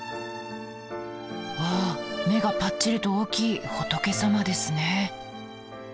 わあ目がぱっちりと大きい仏様ですね。